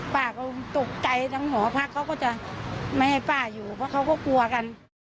ป้าก็ตกใจทั้งหอพักเขาก็จะไม่ให้ป้าอยู่เพราะเขาก็กลัวกัน